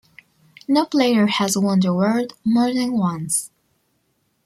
No player has won the award more than once.